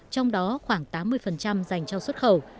trong đó khoảng tám mươi dành cho xuất khẩu